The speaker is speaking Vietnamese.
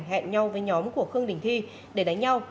hẹn nhau với nhóm của khương đình thi để đánh nhau